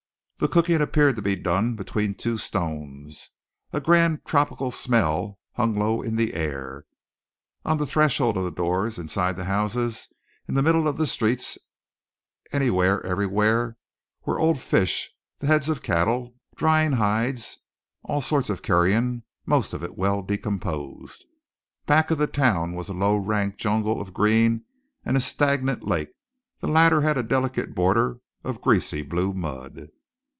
The cooking appeared to be done between two stones. A grand tropical smell hung low in the air. On the thresholds of the doors, inside the houses, in the middle of the streets, anywhere, everywhere, were old fish, the heads of cattle, drying hides, all sorts of carrion, most of it well decomposed. Back of the town was a low, rank jungle of green, and a stagnant lake. The latter had a delicate border of greasy blue mud.